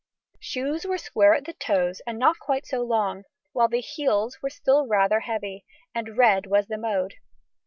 Shoes were square at the toes and not quite so long, while the heels were still rather heavy, and red was the mode.